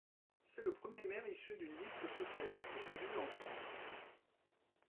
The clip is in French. C'est le premier maire issu d'une liste socialiste élu en France.